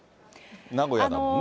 名古屋だもんね。